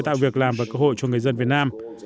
tạo việc làm và cơ hội cho người dân việt nam